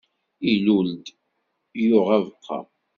Ilul-d, yuɣ abeqqa.